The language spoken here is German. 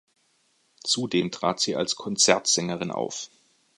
Zudem trat sie als Konzertsängerin auf.